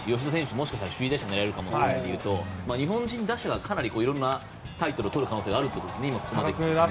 もしかしたら首位打者もというところでいうと日本人打者がかなりいろんなタイトルをとる可能性があるということですね。